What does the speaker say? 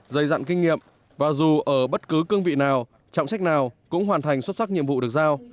dày dặn kinh nghiệm và dù ở bất cứ cương vị nào trọng trách nào cũng hoàn thành xuất sắc nhiệm vụ được giao